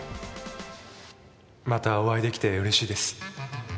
またお会いできて嬉しいです。